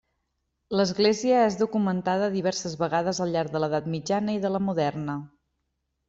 L'església és documentada diverses vegades al llarg de l'edat mitjana i de la moderna.